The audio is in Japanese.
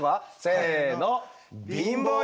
せの。